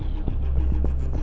aku mau main ke rumah intan